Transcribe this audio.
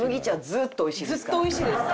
ずっと美味しいです。